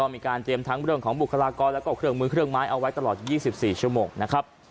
มีการเตรียมทั้งเรื่องของบุคลากรแล้วก็เครื่องมือเครื่องไม้เอาไว้ตลอด๒๔ชั่วโมงนะครับ